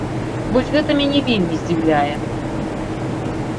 Вось гэта мяне вельмі здзіўляе.